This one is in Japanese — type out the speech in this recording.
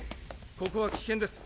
ここは危険です。